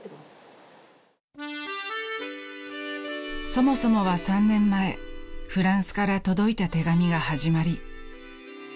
［そもそもは３年前フランスから届いた手紙が始まり］